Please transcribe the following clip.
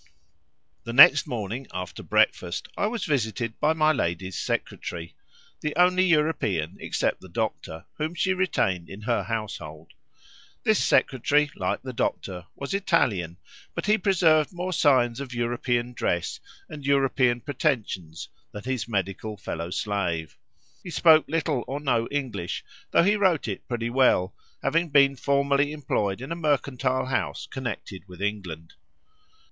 The next morning after breakfast I was visited by my lady's secretary—the only European, except the doctor, whom she retained in her household. This secretary, like the doctor, was Italian, but he preserved more signs of European dress and European pretensions than his medical fellow slave. He spoke little or no English, though he wrote it pretty well, having been formerly employed in a mercantile house connected with England.